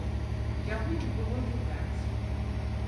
Яго не было відаць.